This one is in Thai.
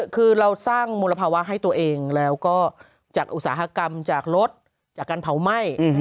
คือเราสร้างมลภาวะให้ตัวเองแล้วก็จากอุตสาหกรรมจากรถจากการเผาไหม้